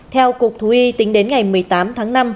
theo cục thú y tính đến ngày một mươi tám tháng năm